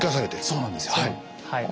そうなんですよはい。